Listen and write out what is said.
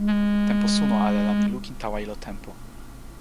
tenpo suno ale la mi lukin tawa ilo tenpo.